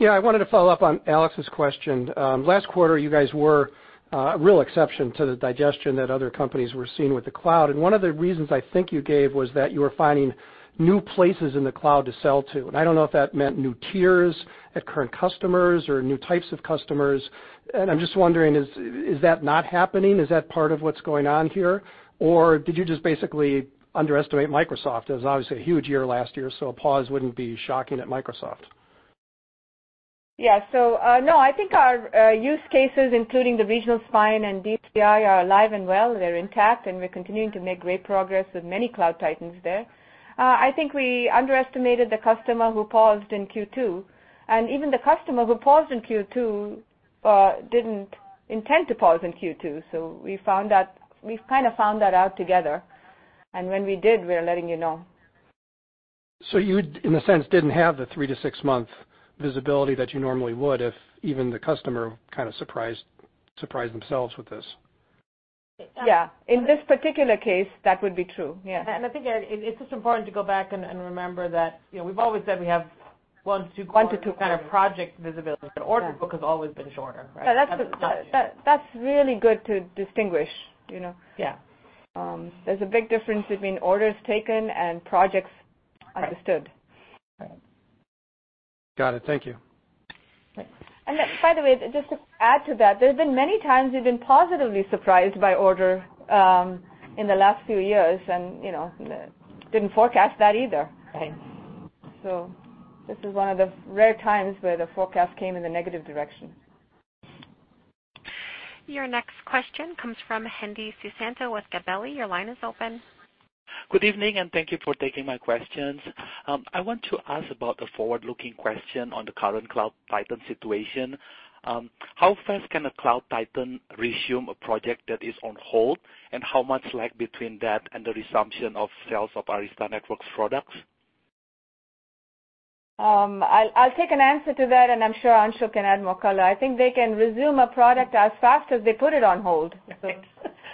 S23: Yeah, I wanted to follow up on Alex's question. Last quarter, you guys were a real exception to the digestion that other companies were seeing with the cloud. One of the reasons I think you gave was that you were finding new places in the cloud to sell to. I don't know if that meant new tiers at current customers or new types of customers. I'm just wondering, is that not happening? Is that part of what's going on here? Did you just basically underestimate Microsoft? It was obviously a huge year last year, so a pause wouldn't be shocking at Microsoft.
S3: Yeah. No, I think our use cases, including the regional spine and DCI, are alive and well. They're intact, and we're continuing to make great progress with many cloud titans there. I think we underestimated the customer who paused in Q2, and even the customer who paused in Q2 didn't intend to pause in Q2. We've kind of found that out together, and when we did, we're letting you know.
S23: You, in a sense, didn't have the three-to-six-month visibility that you normally would if even the customer kind of surprised themselves with this?
S3: Yeah. In this particular case, that would be true. Yeah.
S10: I think it's just important to go back and remember that, we've always said we have one to two-
S3: One to two quarters
S10: kind of project visibility. The order book has always been shorter, right?
S3: That's really good to distinguish.
S10: Yeah.
S3: There's a big difference between orders taken and projects understood.
S10: Right.
S23: Got it. Thank you.
S3: By the way, just to add to that, there's been many times we've been positively surprised by order in the last few years and didn't forecast that either.
S10: Right.
S3: This is one of the rare times where the forecast came in a negative direction.
S1: Your next question comes from Hendi Susanto with Gabelli. Your line is open.
S24: Good evening, and thank you for taking my questions. I want to ask about a forward-looking question on the current cloud titan situation. How fast can a cloud titan resume a project that is on hold, and how much lag between that and the resumption of sales of Arista Networks products?
S3: I'll take an answer to that, and I'm sure Anshul can add more color. I think they can resume a product as fast as they put it on hold.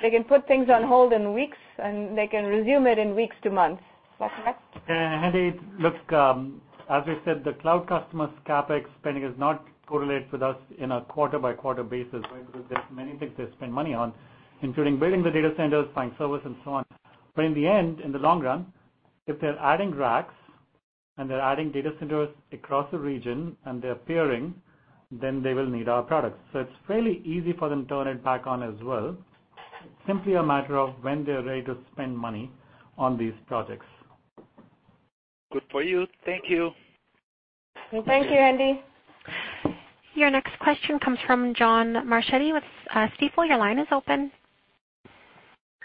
S3: They can put things on hold in weeks, and they can resume it in weeks to months. Is that correct?
S10: Yeah, Hendi, look, as we said, the cloud customers CapEx spending does not correlate with us in a quarter-by-quarter basis, right? There's many things they spend money on, including building the data centers, buying service, and so on. In the end, in the long run, if they're adding racks and they're adding data centers across the region and they're peering, they will need our products. It's fairly easy for them to turn it back on as well. It's simply a matter of when they're ready to spend money on these projects.
S24: Good for you. Thank you.
S3: Thank you, Hendi.
S1: Your next question comes from John Marchetti with Stifel. Your line is open.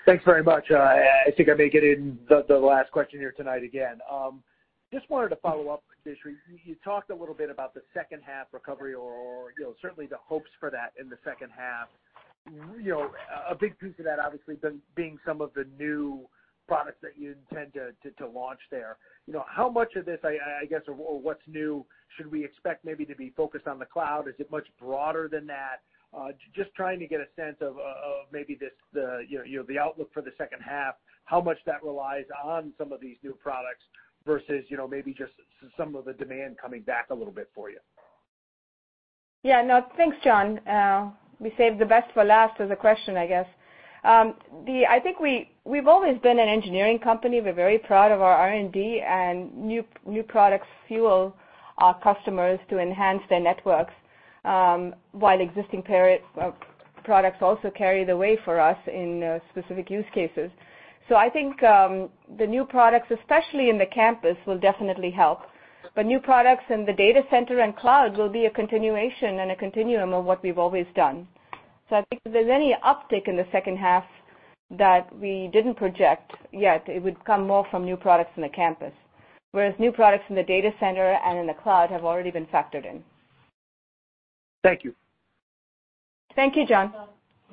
S25: Thanks very much. I think I may get in the last question here tonight again. Just wanted to follow up, Jayshree. You talked a little bit about the second half recovery or certainly the hopes for that in the second half. A big piece of that obviously being some of the new products that you intend to launch there. How much of this, I guess, or what's new should we expect maybe to be focused on the cloud? Is it much broader than that? Just trying to get a sense of maybe the outlook for the second half, how much that relies on some of these new products versus maybe just some of the demand coming back a little bit for you.
S3: Yeah. No, thanks, John. We saved the best for last as a question, I guess. I think we've always been an engineering company. We're very proud of our R&D and new products fuel our customers to enhance their networks, while existing products also carry the way for us in specific use cases. I think, the new products, especially in the campus, will definitely help. New products in the data center and cloud will be a continuation and a continuum of what we've always done. I think if there's any uptick in the second half that we didn't project yet, it would come more from new products in the campus. Whereas new products in the data center and in the cloud have already been factored in.
S25: Thank you.
S3: Thank you, John.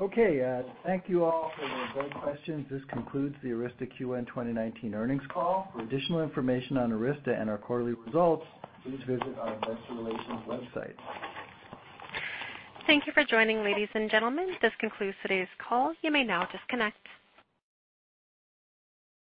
S2: Okay. Thank you all for your great questions. This concludes the Arista Q1 2019 earnings call. For additional information on Arista and our quarterly results, please visit our investor relations website.
S1: Thank you for joining, ladies and gentlemen. This concludes today's call. You may now disconnect.